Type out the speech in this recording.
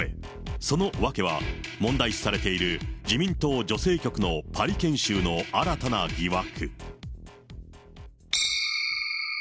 その訳は、問題視されている自民党女性局のパリ研修の新たな疑惑。